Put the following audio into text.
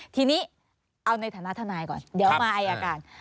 ทีนี้เอาในฐานะทนายก่อนเดี๋ยวมาอายการ